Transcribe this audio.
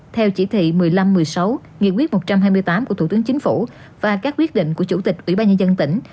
theo chỉ thị một mươi năm một mươi sáu nghị quyết một trăm hai mươi tám của thủ tướng chính phủ và các quyết định của chủ tịch ủy ban nhân dân tỉnh